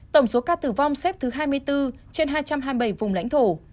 tổng số ca tử vong xếp thứ hai mươi bốn trên hai trăm hai mươi bảy vùng lãnh thổ